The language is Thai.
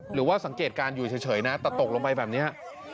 หรือว่าสังเกตการณ์อยู่เฉยนะแต่ตกลงไปแบบนี้